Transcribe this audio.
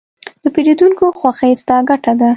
د پیرودونکي خوښي، ستا ګټه ده.